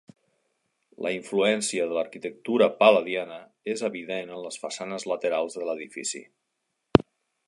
La influència de l'arquitectura pal·ladiana és evident en les façanes laterals de l'edifici.